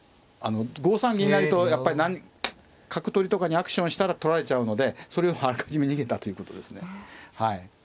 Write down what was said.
５三銀成とやっぱり角取りとかにアクションしたら取られちゃうのでそれをあらかじめ逃げたということですね。